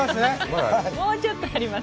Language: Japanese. もうちょっとあります。